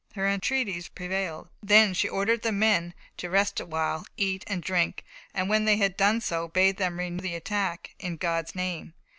Her entreaties prevailed. Then she ordered the men to rest a while, eat and drink, and when they had done so, bade them renew the attack "in God's name."